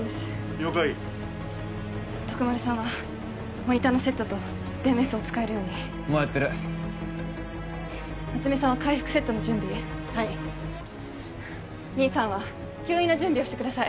了解徳丸さんはモニターのセットと電メスを使えるようにもうやってる夏梅さんは開腹セットの準備はいミンさんは吸引の準備をしてください